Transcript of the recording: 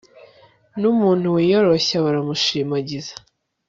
n'umuntu wiyoroshya baramushimagiza